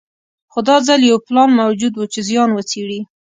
خو دا ځل یو پلان موجود و چې زیان وڅېړي.